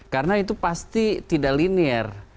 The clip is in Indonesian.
karena itu pasti tidak linear